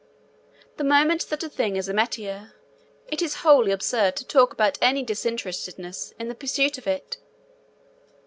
The moment that a thing is a metier, it is wholly absurd to talk about any disinterestedness in the pursuit of it.